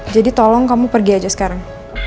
jadi tolong kamu pergi aja sekarang